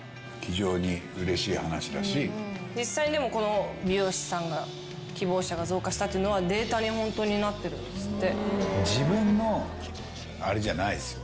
実際でも美容師さんが希望者が増加したっていうのはデータにホントになってるんですって。